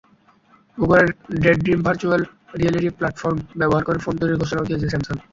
গুগলের Daydream virtual reality platform ব্যবহার করে ফোন তৈরির ঘোষণাও দিয়েছে স্যামসাং।